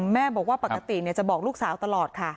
แม่บอกว่าปกติจะบอกลูกสาวตลอดค่ะ